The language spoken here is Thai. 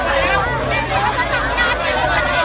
ก็ไม่มีเวลาให้กลับมาเท่าไหร่